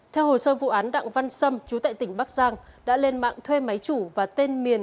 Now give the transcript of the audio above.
theo hồ sơ vụ án đặng văn sâm chú tại tỉnh bắc giang đã lên mạng thuê máy chủ và tên miền